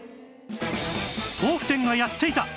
豆腐店がやっていた！